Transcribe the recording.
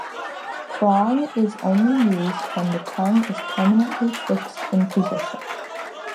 Prong is only used when the tongue is permanently fixed in position.